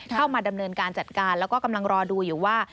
เข้ามาดำเนินการจัดการแล้วก็กำลังรอดูอยู่ว่า